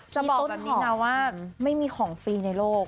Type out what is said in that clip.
จะบอกต้นแบบนี้นะว่าไม่มีของฟรีในโลก